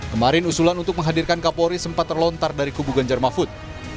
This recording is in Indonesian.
kemarin usulan untuk menghadirkan kapolri sempat terlontar dari kubu ganjar mahfud